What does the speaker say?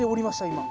今。